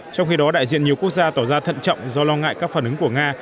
trong khi đó đại diện nhiều quốc gia tỏ ra thận trọng do lo ngại các phản ứng của nga